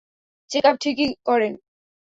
Checkup ঠিকই করেন।